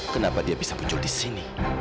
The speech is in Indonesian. kenapa dia bisa muncul di sini